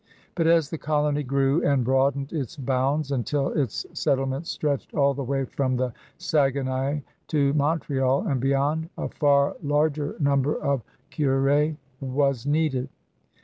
But as the colony grew and broadened its boimds until its settle ments stretched all the way from the Saguenay to Montreal and beyond, a far larger number of curSs was needed.